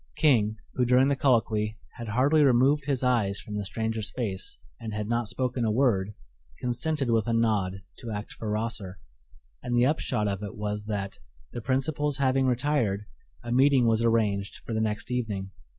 King, who during the colloquy had hardly removed his eyes from the stranger's face and had not spoken a word, consented with a nod to act for Rosser, and the upshot of it was that, the principals having retired, a meeting was arranged for the next evening.